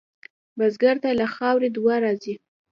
بزګر ته له خاورې دعا راځي